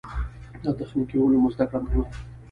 د تخنیکي علومو زده کړه مهمه ده.